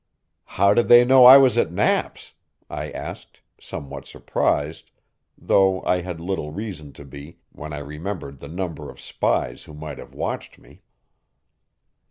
"How did they know I was at Knapp's?" I asked, somewhat surprised, though I had little reason to be when I remembered the number of spies who might have watched me.